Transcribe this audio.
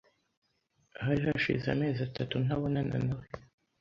Hari hashize amezi atatu ntabonana nawe.